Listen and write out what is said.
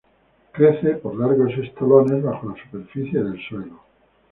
Crece por largos estolones bajo la superficie del suelo.